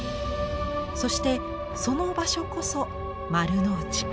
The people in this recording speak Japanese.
そしてその場所こそ丸の内。